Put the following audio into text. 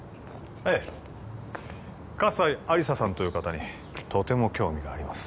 ええ葛西亜理紗さんという方にとても興味があります